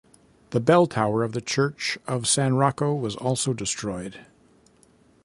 The bell tower of the church of San Rocco was also destroyed.